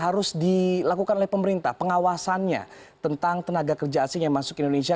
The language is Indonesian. harus dilakukan oleh pemerintah pengawasannya tentang tenaga kerja asing yang masuk ke indonesia